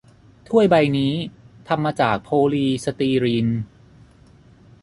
ถ้วยใบนี้ทำมาจากโพลีสตีรีน